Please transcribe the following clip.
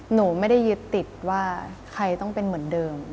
หนูไม่ได้ยึดติดว่าใครต้องเป็นเหมือนเดิม